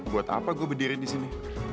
buat apa gue berdiriin di sini